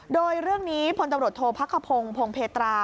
โดยเรื่องนี้พลตำรวจโทษพักขพงศ์พงเพตรา